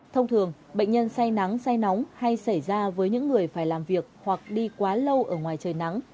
thông thường bệnh nhân say nắng say nóng hay xảy ra với những người phải làm việc hoặc đi quá lâu ở ngoài trời nắng